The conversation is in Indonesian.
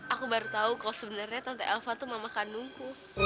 aku baru tahu kalau sebenarnya tante alfa itu mama kandungku